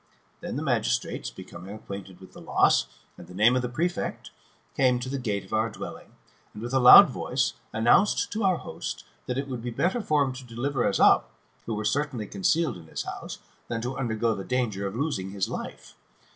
Then the magistrates, becoming ac quainted with the loss, and the name of the prefect, came to the gate of our dwelling, and, with a loud voice, announced to our host that it would be better for him to deliver us up, who were certainly concealed in his house, than to undergo the danger of losing his life.